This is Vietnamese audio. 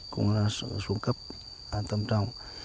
cũng là xuống cấp tâm trọng